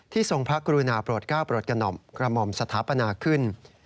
ทรงพระกรุณาโปรดก้าวโปรดกระหม่อมสถาปนาขึ้น